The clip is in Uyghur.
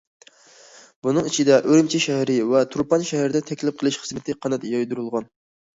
بۇنىڭ ئىچىدە، ئۈرۈمچى شەھىرى ۋە تۇرپان شەھىرىدە تەكلىپ قىلىش خىزمىتى قانات يايدۇرۇلغان.